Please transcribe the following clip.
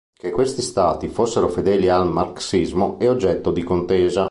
Che questi stati fossero fedeli al marxismo è oggetto di contesa.